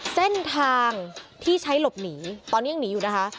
เส้นทางที่ใช้หลบหนีตอนนี้ยังหนีอยู่นะคะ